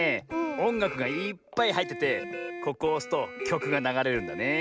おんがくがいっぱいはいっててここをおすときょくがながれるんだねえ。